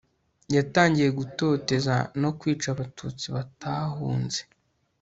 yatangiye gutoteza no kwica abatutsi batahunze